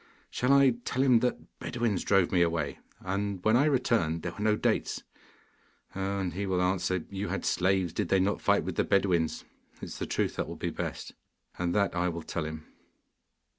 Shall I tell him that Bedouins drove me away, and when I returned there were no dates? And he will answer, "You had slaves, did they not fight with the Bedouins?" It is the truth that will be best, and that will I tell him.